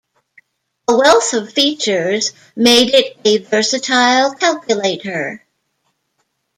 A wealth of features made it a versatile calculator.